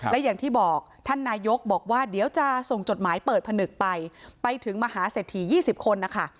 และอย่างที่บอกท่านนายกบอกว่าเดี๋ยวจะส่งจดหมายเปิดผนึกไปไปถึงมหาเศรษฐี๒๐คนนะคะ